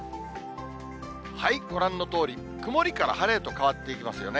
ご覧のとおり、曇りから晴れへと変わっていきますよね。